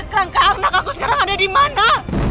kerangka anak aku sekarang ada dimana